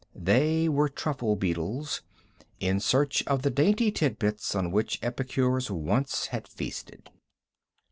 They were truffle beetles, in search of the dainty tidbits on which epicures once had feasted.